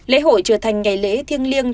lễ hội trở thành ngày lễ thiêng liêng